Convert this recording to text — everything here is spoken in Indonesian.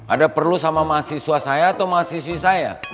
ada perlu sama mahasiswa saya atau mahasiswi saya